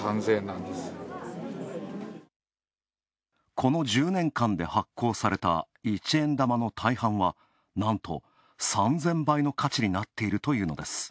この１０年間で発行された一円玉の大半はなんと、３０００倍の価値になっているというのです。